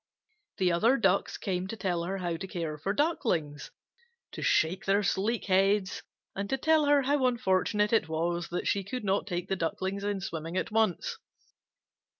The other Ducks came to tell her how to care for the Ducklings, to shake their sleek heads, and to tell her how unfortunate it was that she could not take the Ducklings in swimming at once.